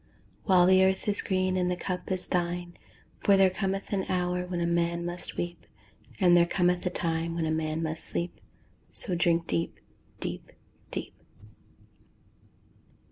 While the earth is green, and the cup is thine, For there cometh an hour when a man must weep, And there cometh a time when a man must sleep, So drink deep, deep, deep.